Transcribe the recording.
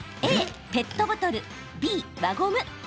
Ａ・ペットボトル、Ｂ・輪ゴム。